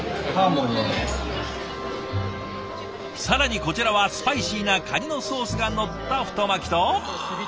更にこちらはスパイシーなかにのソースがのった太巻きと。